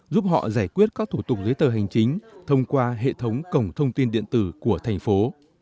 giúp họ giải quyết các thủ tục giới tờ hành chính thông qua hệ thống cổng thông tin điện tử của thành phố